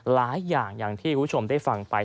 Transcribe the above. หลายอย่างอย่างที่คุณผู้ชมได้ฟังไป